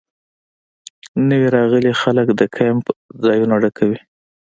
نوي راغلي خلک د کیمپ ځایونه ډکوي